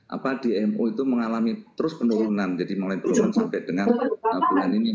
apa dmo itu mengalami terus penurunan jadi mengalami penurunan sampai dengan bulan ini